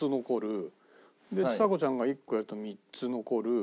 でちさ子ちゃんが１個やると３つ残る。